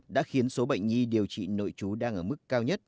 đã khiến số bệnh nhi điều trị nội trú đang ở mức cao nhất